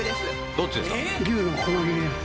どっちですか？